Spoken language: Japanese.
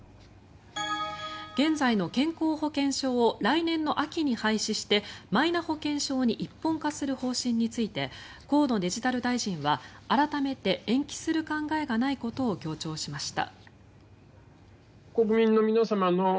現在の健康保険証を来年の秋に廃止してマイナ保険証に一本化する方針について河野デジタル大臣は改めて延期する考えがないことを強調しました。